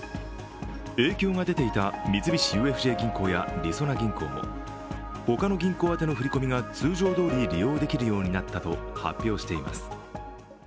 影響が出ていた三菱ＵＦＪ銀行や、りそな銀行も他の銀行宛の振り込みが、通常どおり利用できるようになったと発表しています。